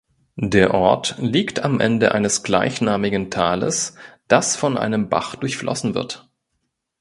Der Ort liegt am Ende eines gleichnamigen Tales, das von einem Bach durchflossen wird.